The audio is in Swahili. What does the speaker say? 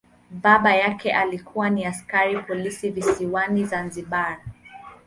Baba yake alikuwa ni askari polisi visiwani Zanzibar.